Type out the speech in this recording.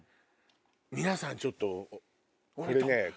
皆さんちょっとこれね。